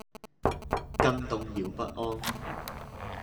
更動搖不安